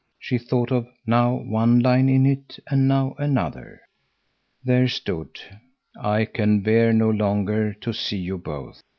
She thought of now one line in it and now another. There stood: "I can bear no longer to see you both."